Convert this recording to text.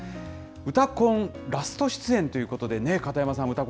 うたコンラスト出演ということでね、片山さん、うた